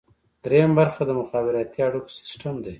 دریمه برخه د مخابراتي اړیکو سیستم دی.